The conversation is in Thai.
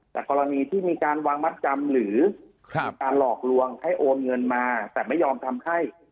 แต่กรณีที่มีการวางมัดจำหรือมีการหลอกลวงให้โอนเงินมาแต่ไม่ยอมทำให้